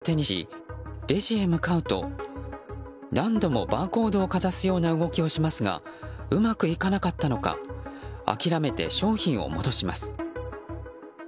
商品を手にし、レジへ向かうと何度もバーコードをかざすような動きをしますがうまくいかなかったのか諦めて商品を戻します。